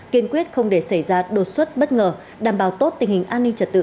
kiên quyết không để xảy ra đột xuất bất ngờ đảm bảo tốt tình hình an ninh trật tự